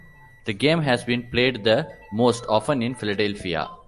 The game has been played the most often in Philadelphia.